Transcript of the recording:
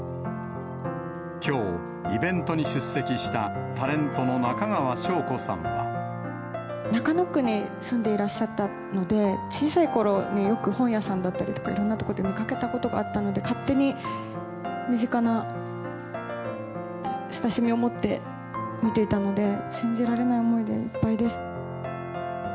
きょう、イベントに出席した、中野区に住んでいらっしゃったので、小さいころによく、本屋さんだったりとか、いろんな所で見かけたことがあったので、勝手に身近な親しみを持って見ていたので、信じられない思いでいっぱいです。